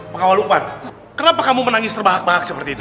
pengawal lukman kenapa kamu menangis terbahak bahak seperti itu